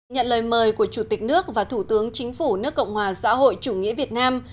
nhận lời mời của chủ tịch nước và thủ tướng chính phủ nước cộng hòa xã hội chủ nghĩa việt nam